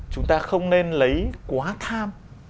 chúng ta không nên lấy quá tham